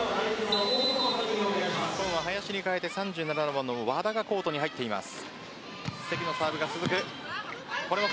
日本は林に代えて３７番の和田がコートに入っています。